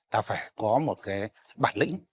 ta phải có một cái bản lĩnh